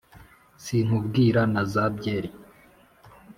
sinkubwira na za byeri